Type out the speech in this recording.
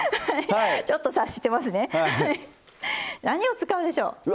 何を使うでしょう？